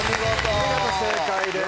お見事正解です。